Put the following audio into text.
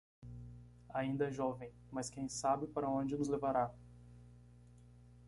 Ainda é jovem, mas quem sabe para onde nos levará.